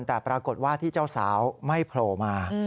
แต่ปรากฏว่าที่เจ้าสาวไม่โผล่มา